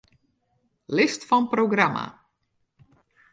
List fan programma.